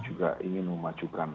juga ingin memajukan